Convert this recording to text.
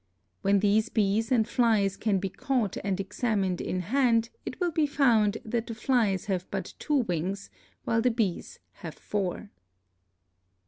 When these bees and flies can be caught and examined in hand it will be found that the flies have but two wings while the bees have four.